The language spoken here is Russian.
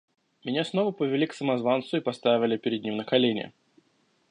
Меня снова повели к самозванцу и поставили перед ним на колени.